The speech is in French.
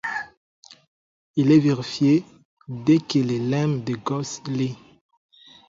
Il est vérifié dès que le lemme de Gauss l'est.